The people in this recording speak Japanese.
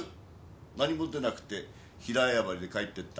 何も出なくて平謝りで帰ってった。